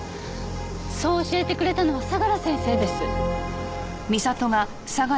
そう教えてくれたのは相良先生です。